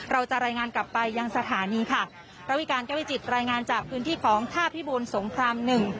เราจะรายงานกลับไปยังสถานีค่ะระวิการแก้วิจิตรายงานจากพื้นที่ของท่าพิบูลสงครามหนึ่ง